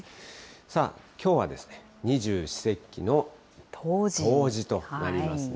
さあ、きょうはですね、二十四節気の冬至となりますね。